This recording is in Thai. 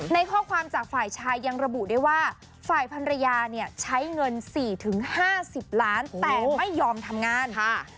ในข้อความจากฝ่ายชายยังระบุได้ว่าฝ่ายพันรยาเนี่ยใช้เงิน๔๕๐ล้านแต่ไม่ยอมทำงานค่ะ